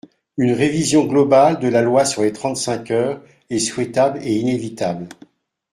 Une révision globale de la loi sur les trente-cinq heures est souhaitable et inévitable.